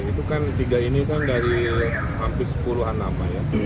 itu kan tiga ini dari hampir sepuluh an nama ya